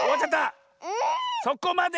そこまで！